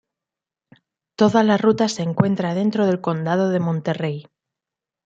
Toda la ruta se encuentra dentro del condado de Monterrey.